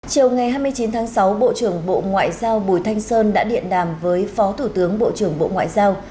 chiều ngày hai mươi chín tháng sáu bộ trưởng bộ ngoại giao bùi thanh sơn đã điện đàm với phó thủ tướng bộ trưởng bộ ngoại giao